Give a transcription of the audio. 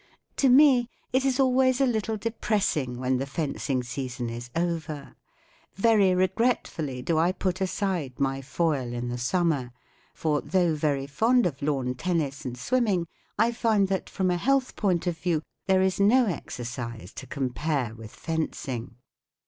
To me it is always a little depressing when the fencing season is over. Very regret¬ fully do I put aside my foil in the summer* for though very fond of lawn tennis and swimming, I find that* from a health point of view, there is no exercise to compare with fencing.